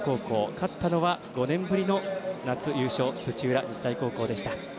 勝ったのは５年ぶりの夏優勝土浦日大高校でした。